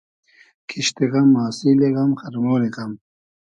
کیشت غئم آسیلی غئم خئرمۉنی غئم